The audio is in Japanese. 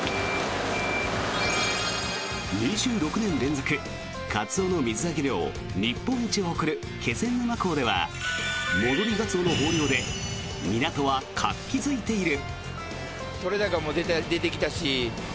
２６年連続カツオの水揚げ量日本一を誇る気仙沼港では戻りガツオの豊漁で港は活気付いている。